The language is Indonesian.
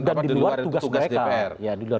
dan diluar tugas mereka